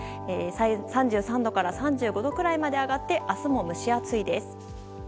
３３度から３５度くらいまで上がって、明日も蒸し暑いです。